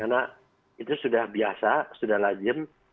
karena itu sudah biasa sudah lajim